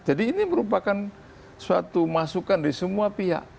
jadi ini merupakan suatu masukan dari semua pihak